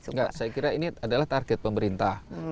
enggak saya kira ini adalah target pemerintah